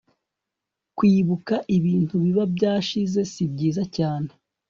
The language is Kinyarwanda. Kwibuka ibintu bibi byashize sibyiza cyane